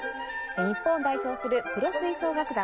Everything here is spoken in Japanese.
日本を代表するプロ吹奏楽団